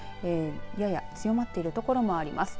やや強まっている所もあります。